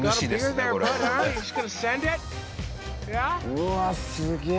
うわーすげえ！